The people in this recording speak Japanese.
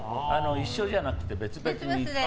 一緒じゃなくて別々に。